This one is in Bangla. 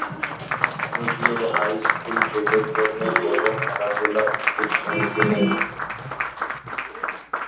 যদিও হাই স্কুল গ্রেডের জন্য কোনও খেলাধূলা ভিত্তিক সমিতি নেই।